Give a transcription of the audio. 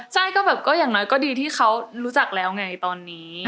ใช่ก็แบบก็อย่างน้อยก็ดีที่เขารู้จักแล้วไงตอนนี้